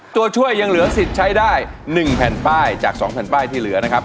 ตัวช่วยยังเหลือสิทธิ์ใช้ได้๑แผ่นป้ายจาก๒แผ่นป้ายที่เหลือนะครับ